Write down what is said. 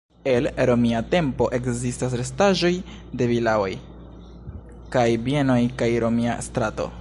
El romia tempo ekzistas restaĵoj de vilaoj kaj bienoj kaj romia strato.